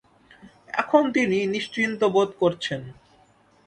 এখন তিনি নিশ্চিন্তু বোধ করছেন।